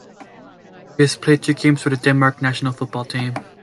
He has played three games for the Denmark national football team.